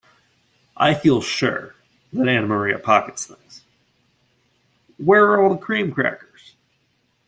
I feel sure that Anna Maria pockets things — Where are all the cream crackers?